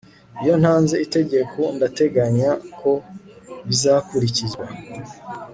Iyo ntanze itegeko ndateganya ko bizakurikizwa